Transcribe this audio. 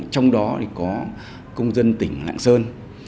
trong đó có công dân tỉnh lạng sơn